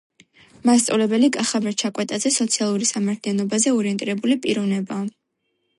მასწავლებელი კახაბერ ჩაკვეტაძე სოციალური სამართლიანობაზე ორიენტირებული პიროვნებაა